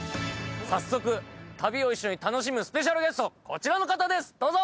早速、旅を一緒に楽しむスペシャルゲスト、こちらの方です、どうぞ。